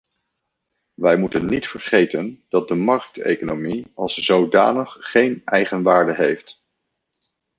Wij moeten niet vergeten dat de markteconomie als zodanig geen eigenwaarde heeft.